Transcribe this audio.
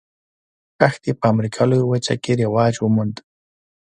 کښت یې په امریکا لویه وچه کې رواج وموند.